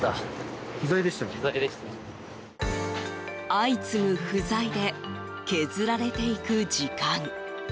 相次ぐ不在で削られていく時間。